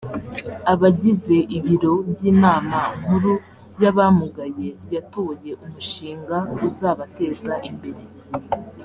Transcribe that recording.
abagize ibiro by’inama nkuru yabamugaye yatoye umushinga uzabateza imbere